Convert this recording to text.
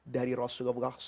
dari rasulullah saw